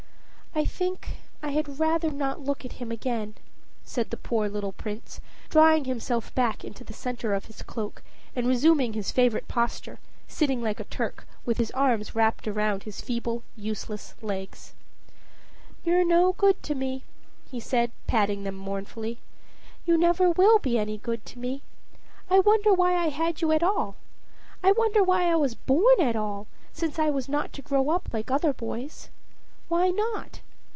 "I think I had rather not look at him again," said the poor little Prince, drawing himself back into the center of his cloak, and resuming his favorite posture, sitting like a Turk, with his arms wrapped round his feeble, useless legs. "You're no good to me," he said, patting them mournfully. "You never will be any good to me. I wonder why I had you at all. I wonder why I was born at all, since I was not to grow up like other boys. Why not?"